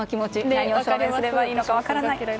何を証明すればいいか分からない。